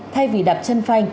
thay vì đạp chân phanh